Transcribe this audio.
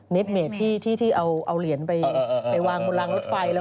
เน็ตเมีดที่เอาเหรียญไปวางกู่ร่างรถไฟ